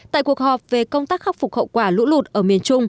tại cuộc họp về công tác khắc phục hậu quả lũ lụt ở miền trung